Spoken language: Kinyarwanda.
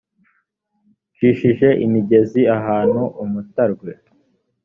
ncishe imigezi ahantu umutarwe